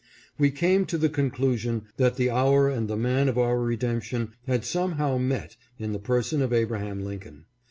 We came to the conclusion that the hour and the man of our redemption had somehow met in the person of Abraham Lincoln.